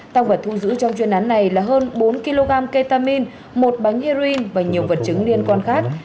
tăng vật thu giữ trong chuyên án này là hơn bốn kg ketamin một bánh heroin và nhiều vật chứng liên quan khác